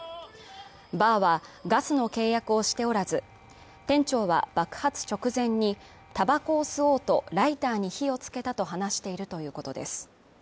バーはガスの契約をしておらず、店長は爆発直前にタバコを吸おうとライターに火をつけたと話しているということです。